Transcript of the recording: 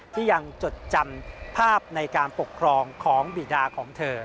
ที่ยังจดจำภาพในการปกครองของบีดาของเธอ